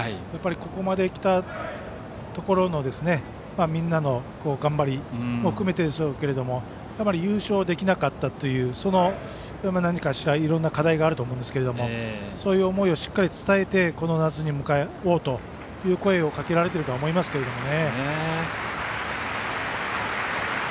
やっぱりここまできたところのみんなの頑張りを含めてでしょうけど優勝できなかったというその何かしらいろんな課題があると思うんですけどそういう思いをしっかり伝えてこの夏に向かおうという声をかけられてるとは思いますけどね。